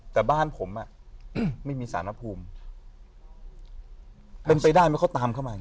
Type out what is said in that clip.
แต่บ้านผมไม่มีศาลนภูมิเป็นไปได้มั้ยเขาตามเข้ามา